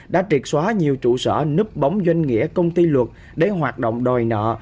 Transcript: đã triệt xóa nhiều trụ sở núp bóng doanh nghĩa công ty luật để hoạt động đòi nợ